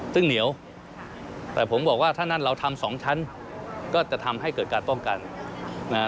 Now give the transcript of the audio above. ซึ่งเหนียวแต่ผมบอกว่าถ้านั้นเราทำสองชั้นก็จะทำให้เกิดการป้องกันนะฮะ